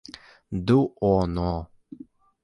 duono